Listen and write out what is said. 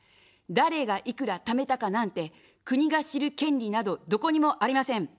誰がいくら貯めたかなんて、国が知る権利など、どこにもありません。